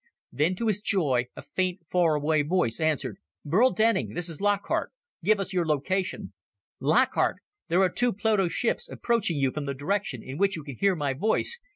Then, to his joy, a faint, far away voice answered, "Burl Denning! This is Lockhart. Give us your location." "Lockhart! There are two Pluto ships approaching you from the direction in which you can hear my voice.